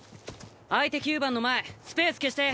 相手９番の前スペース消して！